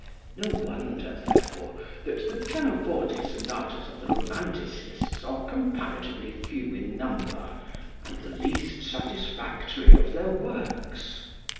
No wonder therefore that the pianoforte sonatas of the romanticists are comparatively few in number and the least satisfactory of their works.